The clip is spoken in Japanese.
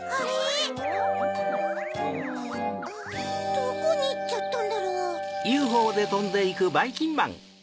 ・どこにいっちゃったんだろう？